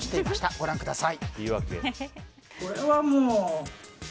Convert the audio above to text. ご覧ください。